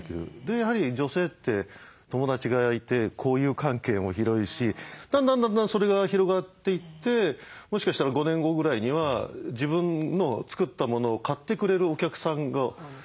やはり女性って友達がいて交友関係も広いしだんだんだんだんそれが広がっていってもしかしたら５年後ぐらいには自分の作ったものを買ってくれるお客さんが作っていけるかもしれない。